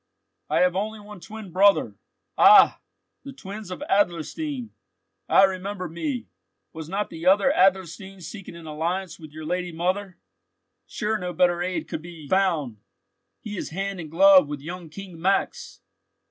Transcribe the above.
"I have only one twin brother." "Ah! the twins of Adlerstein! I remember me. Was not the other Adlerstein seeking an alliance with your lady mother? Sure no better aid could be found. He is hand and glove with young King Max."